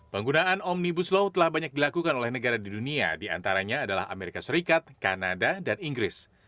penggunaan omnibus law telah banyak dilakukan oleh negara di dunia diantaranya adalah amerika serikat kanada dan inggris